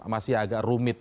masih agak rumit